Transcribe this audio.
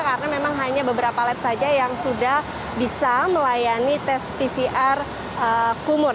karena memang hanya beberapa lab saja yang sudah bisa melayani tes pcr kumur